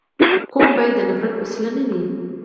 قوم باید د نفرت وسیله نه وي.